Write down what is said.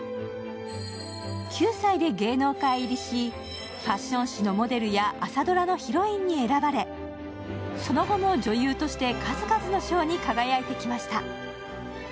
９歳で芸能界入りしファッション誌のモデルや朝ドラのヒロインに選ばれ、その後も女優として数々の賞に輝いてきました。